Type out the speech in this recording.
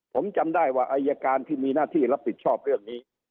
ผมจำได้ว่าอายการที่มีหน้าที่รับผิดชอบเรื่องนี้